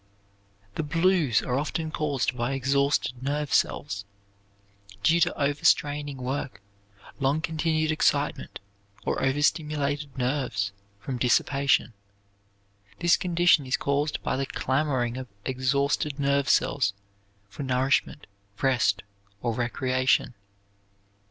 The "blues" are often caused by exhausted nerve cells, due to overstraining work, long continued excitement, or over stimulated nerves from dissipation. This condition is caused by the clamoring of exhausted nerve cells for nourishment, rest, or recreation.